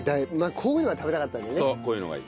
こういうのが食べたかったんです。